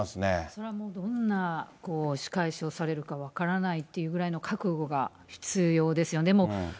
それはもう、どんな仕返しをされるか分からないっていうぐらいの覚悟が必要ですよね。